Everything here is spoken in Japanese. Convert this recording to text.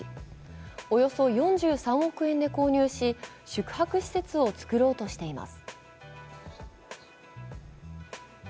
およそ４３億円で購入し、宿泊施設を作ろうとしています。